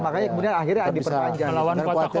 makanya akhirnya diperkenankan